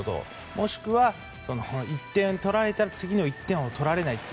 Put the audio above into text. もしくは１点取られたら次の１点を取られないと。